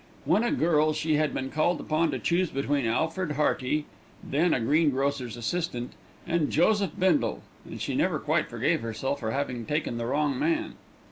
When a girl she had been called upon to choose between Alfred Hearty, then a greengrocer's assistant, and Joseph Bindle, and she never quite forgave herself for having taken the wrong man.